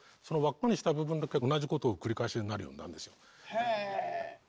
へえ！